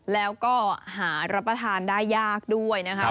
แล้วก็หารับประทานได้ยากด้วยนะคะ